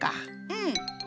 うん。